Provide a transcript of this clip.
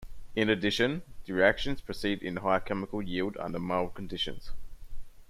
In addition, the reactions proceed in high chemical yield under mild conditions.